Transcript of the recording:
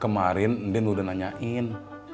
kemarin ndin udah nanyain